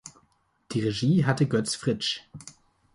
Die Regie hatte Götz Fritsch.